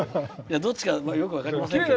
どっちはよく分かりませんけど。